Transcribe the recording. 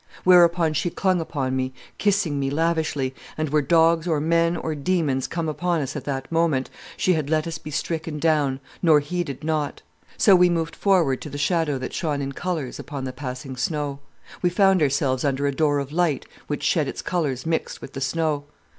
"Whereupon she clung upon me, kissing me lavishly, and, were dogs or men or demons come upon us at that moment, she had let us be stricken down, nor heeded not. So we moved forward to the shadow that shone in colours upon the passing snow. We found ourselves under a door of light which shed its colours mixed with snow.